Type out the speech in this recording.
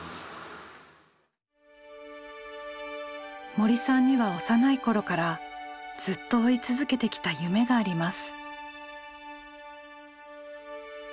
森さんには幼い頃からずっと追い続けてきた夢があります。